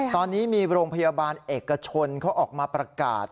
ตอนนี้มีโรงพยาบาลเอกชนเขาออกมาประกาศ